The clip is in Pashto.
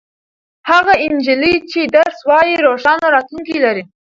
هغه نجلۍ چې درس وايي روښانه راتلونکې لري.